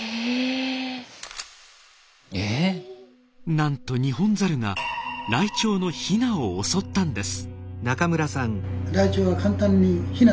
なんとニホンザルがライチョウのヒナを襲ったんです！